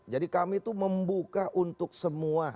jadi kami tuh membuka untuk semua